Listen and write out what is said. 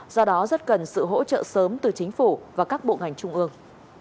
do đó rất cần sự hỗ trợ sớm từ chính phủ và các bộ ngành trung ương